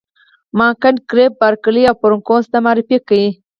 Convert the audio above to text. ما کانت ګریفي بارکلي او فرګوسن ته معرفي کړ.